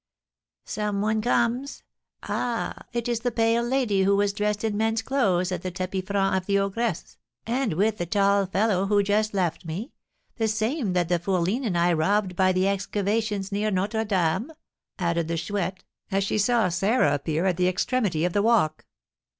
Some one comes, ah, it is the pale lady who was dressed in men's clothes at the tapis franc of the ogress, and with the tall fellow who just left me, the same that the fourline and I robbed by the excavations near Notre Dame," added the Chouette, as she saw Sarah appear at the extremity of the walk.